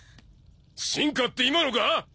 進化って今のか？